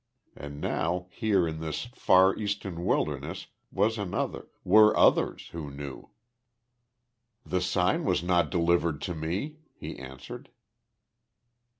And now here in this far Eastern wilderness was another were others who knew. "The Sign was not delivered to me," he answered.